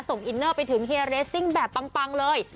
อินเนอร์ไปถึงเฮียเรสซิ่งแบบปังเลย